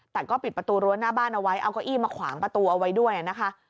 แต่ก็ปิดประตูรั้วหน้าบ้านเอาไว้เอาเก้าอี้มาขวางประตูเอาไว้ด้วยนะคะ